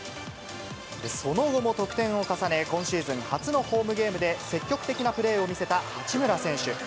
その後も得点を重ね、今シーズン初のホームゲームで、積極的なプレーを見せた八村選手。